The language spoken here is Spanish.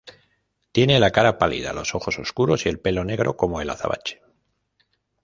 Tiene la cara pálida los ojos oscuros y el pelo negro como el azabache.